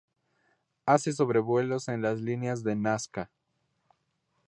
Hace sobrevuelos en las Líneas de Nazca.